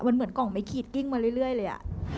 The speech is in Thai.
มันเหมือนกล่องไม่คีดกิ้งมาเรื่อยเลยอะ